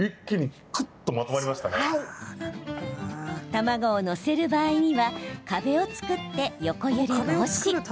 卵を載せる場合には壁を作って横揺れ防止。